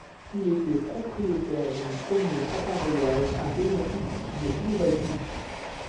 Il était propriétaire de premier appareillage à rayons X de Slovaquie.